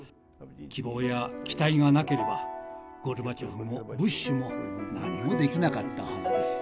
希望や期待がなければゴルバチョフもブッシュも何もできなかったはずです。